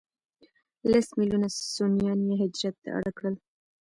لس ملیونه سنیان یې هجرت ته اړ کړل.